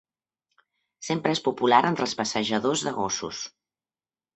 Sempre és popular entre els passejadors de gossos.